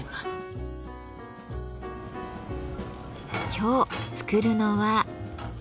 今日作るのは。